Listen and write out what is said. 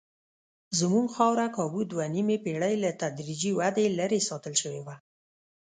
زموږ خاوره کابو دوه نیمې پېړۍ له تدریجي ودې لرې ساتل شوې وه.